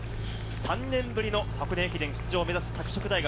３年ぶりの箱根駅伝出場を目指す拓殖大学。